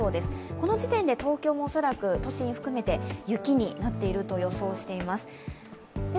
この時点で東京も恐らく都心含めて雪になっていると予想しています。